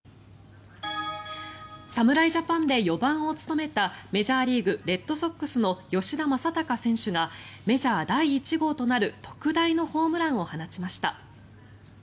侍ジャパンで４番を務めたメジャーリーグレッドソックスの吉田正尚選手がメジャー第１号となる特大のホームランを放ちました。